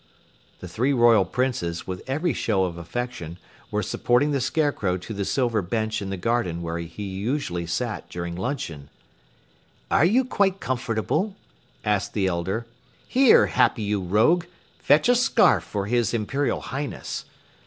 The three royal Princes, with every show of affection, were supporting the Scarecrow to the silver bench in the garden where he usually sat during luncheon. "Are you quite comfortable?" asked the elder. "Here, Happy, you rogue, fetch a scarf for his Imperial Highness.